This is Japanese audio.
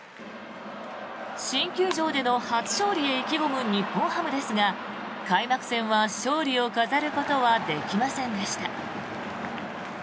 新球場での初勝利へ意気込む日本ハムですが開幕戦は勝利を飾ることはできませんでした。